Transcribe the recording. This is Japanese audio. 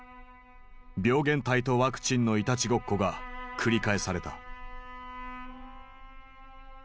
病原体とワクチンのいたちごっこが繰り返された。